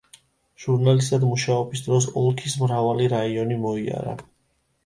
ჟურნალისტად მუშაობის დროს, ოლქის მრავალი რაიონი მოიარა.